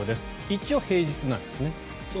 一応、平日なんですね。